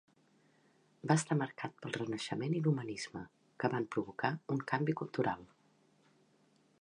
Va estar marcat pel Renaixement i l'humanisme, que van provocar un canvi cultural.